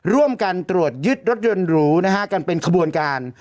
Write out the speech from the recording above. ร่วมกันตรวจยึดรถยนต์หรูนะฮะกันเป็นขบวนการ